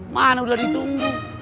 mana udah ditunggu